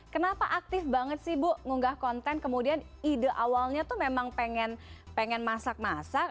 kenapa aktif banget sih bu ngunggah konten kemudian ide awalnya tuh memang pengen masak masak